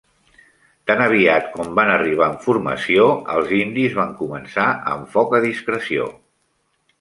Tan aviat com van arribar en formació, els indis van començar amb foc a discreció.